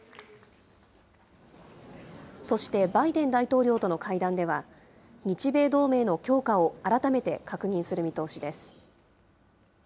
そしてバイデン大統領との会談では、日米同盟の強化を改めて確認する見通しです。